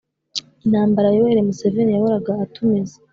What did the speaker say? intambara.yoweri museveni yahoraga atumiza